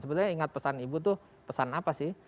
sebenarnya ingat pesan ibu itu pesan apa sih